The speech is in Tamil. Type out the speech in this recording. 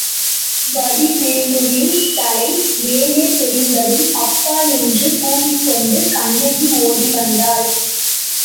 வடிவேலுவின் தலை, மேலே தெரிந்ததும், அப்பா என்று கூவிக்கொண்டு கண்ணகி ஓடி வந்தாள்.